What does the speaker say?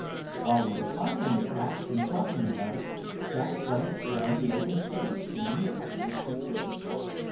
While we were fondling the cat and talking about it, Jack glanced round the open space in the midst of which we stood.